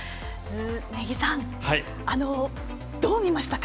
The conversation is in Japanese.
根木さん、どう見ましたか？